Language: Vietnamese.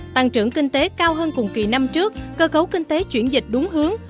tăng trưởng kinh tế cao hơn cùng kỳ năm trước cơ cấu kinh tế chuyển dịch đúng hướng